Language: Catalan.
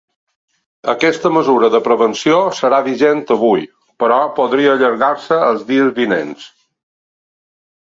Aquesta mesura de prevenció serà vigent avui, però podria allargar-se als dies vinents.